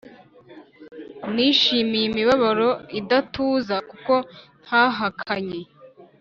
nishimiye imibabaro idatuza Kuko ntahakanye